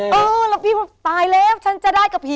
เออแล้วพี่ผมตายเลย